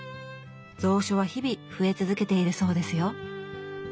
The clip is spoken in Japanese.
蔵書は日々増え続けているそうですよ。